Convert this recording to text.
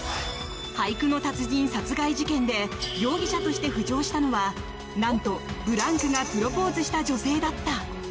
俳句の達人殺害事件で容疑者として浮上したのは何とブランクがプロポーズした女性だった。